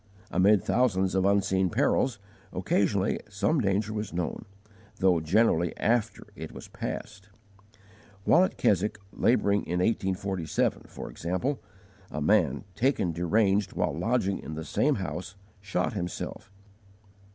Amid thousands of unseen perils, occasionally some danger was known, though generally after it was passed. While at Keswick labouring in 1847, for example, a man, taken deranged while lodging in the same house, shot himself.